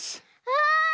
うわ！